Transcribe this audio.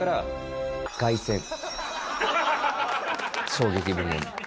衝撃部門に。